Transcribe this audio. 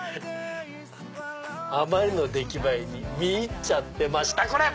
あまりの出来栄えに見入っちゃってました。